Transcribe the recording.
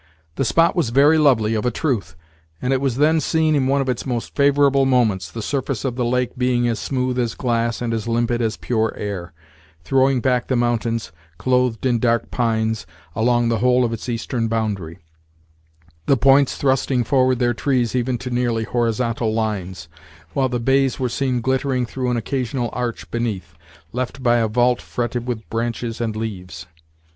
The spot was very lovely, of a truth, and it was then seen in one of its most favorable moments, the surface of the lake being as smooth as glass and as limpid as pure air, throwing back the mountains, clothed in dark pines, along the whole of its eastern boundary, the points thrusting forward their trees even to nearly horizontal lines, while the bays were seen glittering through an occasional arch beneath, left by a vault fretted with branches and leaves.